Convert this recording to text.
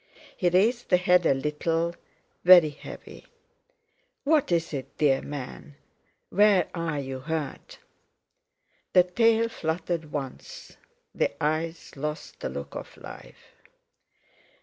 He raised the head a little—very heavy. "What is it, dear man? Where are you hurt?" The tail fluttered once; the eyes lost the look of life.